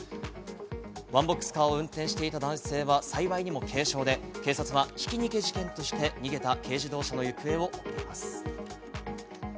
ワンボックスカーを運転していた男性は、幸いにも軽傷で警察はひき逃げ事件として、逃げた車の行方を追っています。